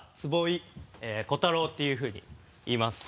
坪井湖太郎っていうふうにいいます。